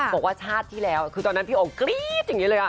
บอกว่าชาติที่แล้วคือตอนนั้นพี่อ๋องกรี๊ดอย่างนี้เลย